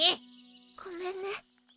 ごめんね。